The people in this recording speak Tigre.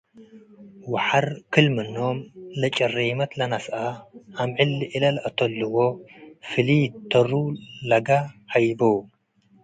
ወሐር ክል-ምኖም ለጭሬመት ለነስአ- አምዕል ለእለ ለአተልዎ፡ ፍሊት ተሩ ለገ ሀይቦ ።